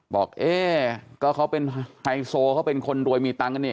เอ๊ก็เขาเป็นไฮโซเขาเป็นคนรวยมีตังค์กันเนี่ย